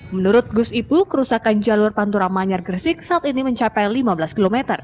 menurut gus ipu kerusakan jalur pantura manyar gresik saat ini mencapai lima belas km